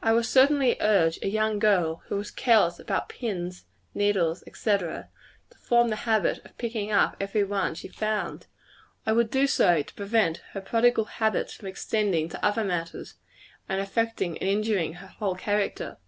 I would certainly urge a young girl who was careless about pins, needles, &c., to form the habit of picking up every one she found. I would do so, to prevent her prodigal habits from extending to other matters, and affecting and injuring her whole character.